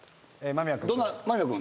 間宮君。